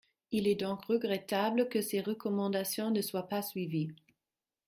Il est donc regrettable que ses recommandations ne soient pas suivies.